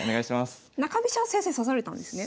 中飛車先生指されたんですね。